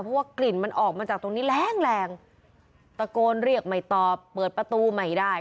เพราะว่ากลิ่นมันออกมาจากตรงนี้แรงแรงตะโกนเรียกไม่ตอบเปิดประตูไม่ได้